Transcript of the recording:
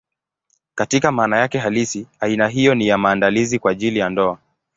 Katika maana yake halisi, aina hiyo ni ya maandalizi kwa ajili ya ndoa.